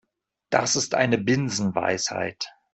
Das ist eine Binsenweisheit.